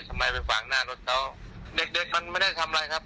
ทำไมไปฝังหน้ารถเขาเด็กเด็กมันไม่ได้ทำอะไรครับ